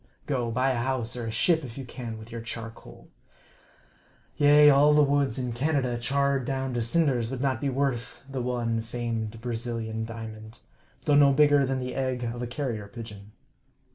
Go, buy a house, or a ship, if you can, with your charcoal ! Yea, all the woods in Canada charred down to cinders would not be worth the one famed Brazilian diamond, though no bigger than the egg of a carrier pigeon.